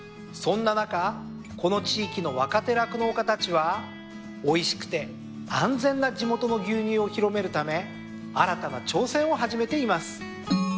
そんな中この地域の若手酪農家たちはおいしくて安全な地元の牛乳を広めるため新たな挑戦を始めています。